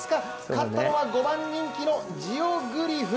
勝ったのは５番人気のジオグリフ。